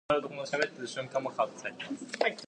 Rieti.